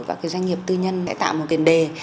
các cái doanh nghiệp tư nhân sẽ tạo một cái đề